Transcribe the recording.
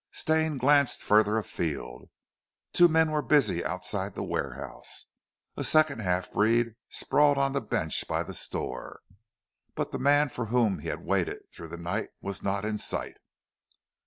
Stane glanced further afield. Two men were busy outside the warehouse, a second half breed sprawled on the bench by the store, but the man for whom he had waited through the night was not in sight.